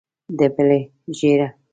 د بلې ژېړه.